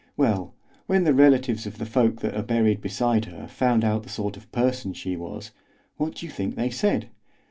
Well, when the relatives of the folk that are buried beside her found out the sort of person she was, what do you think they said?